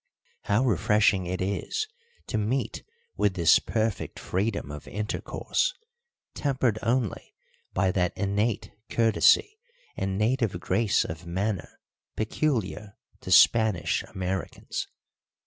How refreshing it is to meet with this perfect freedom of intercourse, tempered only by that innate courtesy and native grace of manner peculiar to Spanish Americans!